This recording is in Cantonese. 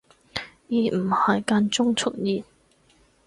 而唔係間中出現